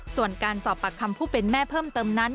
ส่วนการสอบปากคำผู้เป็นแม่เพิ่มเติมนั้น